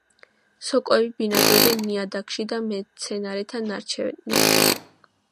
სოკოები ბინადრობენ ნიადაგში და მცენარეთა ნარჩენებზე.